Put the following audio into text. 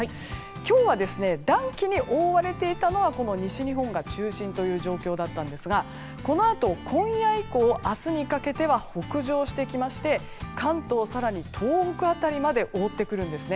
今日は暖気に覆われていたのは西日本が中心という状況だったんですがこのあと、今夜以降明日にかけては北上してきまして関東、更に東北辺りまで覆ってくるんです。